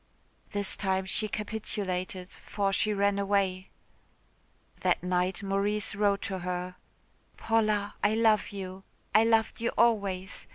This time she capitulated for she ran away. That night Maurice wrote to her. "Paula, I love you. I loved you always.